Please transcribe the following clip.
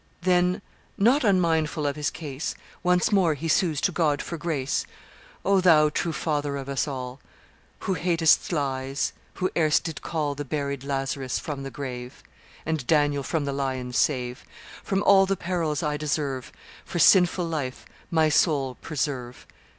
Then, not unmindful of his case, Once more he sues to God for grace 'O Thou, true Father of us all, Who hatest lies, who erst did call The buried Lazarus from the grave, And Daniel from the lions save, From all the perils I deserve For sinful life my soul preserve!